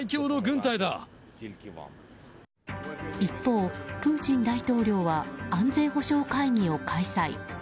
一方、プーチン大統領は安全保障会議を開催。